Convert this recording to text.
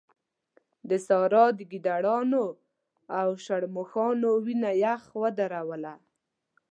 د سارا د ګيدړانو او شرموښانو وينه يخ ودروله.